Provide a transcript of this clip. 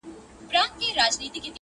نه يې وكړل د آرامي شپي خوبونه.!